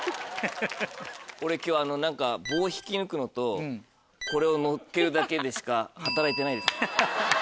俺今日何か棒引き抜くのとこれをのっけるだけでしか働いてないです。